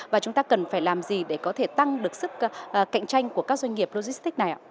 và chúng ta cần phải làm gì để có thể tăng được sức cạnh tranh của các doanh nghiệp logistics này ạ